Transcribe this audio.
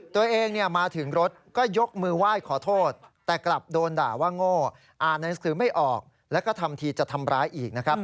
ตัวเองมาถึงรถก็ยกมือไหว้ขอโทษแต่กลับโดนด่าว่าโง่อ่านหนังสือไม่ออกแล้วก็ทำทีจะทำร้ายอีกนะครับ